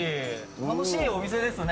楽しいお店ですね。